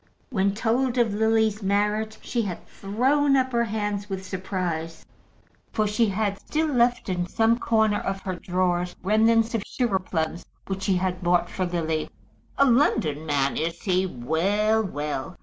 When told of Lily's marriage, she had thrown up her hands with surprise, for she had still left in some corner of her drawers remnants of sugar plums which she had bought for Lily. "A London man is he? Well, well.